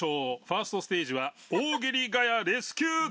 ファーストステージは大喜利ガヤレスキュー対決！